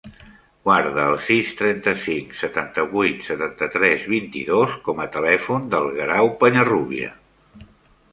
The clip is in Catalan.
Guarda el sis, trenta-cinc, setanta-vuit, setanta-tres, vint-i-dos com a telèfon del Guerau Peñarrubia.